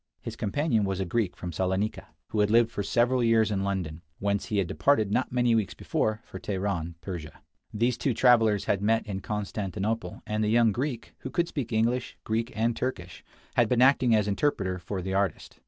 His companion was a Greek from Salonica, who had lived for several years in London, whence he had departed not many weeks before, for Teheran, Persia. These two travelers had met in Constantinople, and the young Greek, who could speak English, Greek, and Turkish, had been acting as interpreter for the artist.